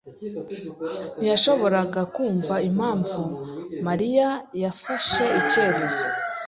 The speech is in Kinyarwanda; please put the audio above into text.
ntiyashoboraga kumva impamvu Mariya yafashe icyemezo.